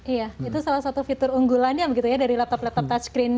iya itu salah satu fitur unggulannya begitu ya dari laptop laptop touch screen